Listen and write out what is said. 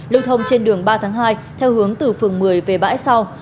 lưu thông trên đường ba tháng hai theo hướng từ phường một mươi về bãi sau